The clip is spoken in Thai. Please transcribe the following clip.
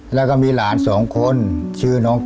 แล้วก็มีหลานสองคนชื่อน้อง